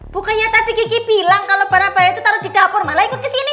bukannya tadi kiki bilang kalau para bayi itu taruh di dapur malah ikut kesini